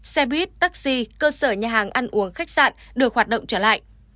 xe buýt taxi cơ sở nhà hàng ăn uống khách sạn được hoạt động trở lại